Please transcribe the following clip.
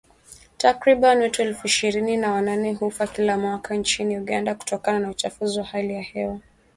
Takriban watu elfu ishirini na wanane hufa kila mwaka nchini Uganda kutokana na uchafuzi wa hali ya hewa.